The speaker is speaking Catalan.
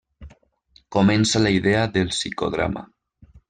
Comença la idea del psicodrama.